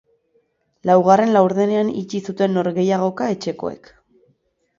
Laugarren laurdenean itxi zuten norgehiagoka etxekoek.